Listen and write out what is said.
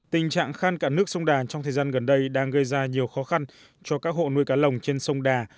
tình trạng khăn cả nước sông đà trong thời gian gần đây đang gây ra nhiều khó khăn cho các hộ nuôi cá lồng trên sông đà